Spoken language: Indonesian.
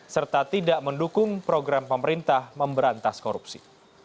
serta tidak mendukung program pemerintah memberantas korupsi